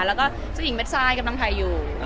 แล้วก็เจ้าหญิงเบ็ดไซด์กำลังถ่ายอยู่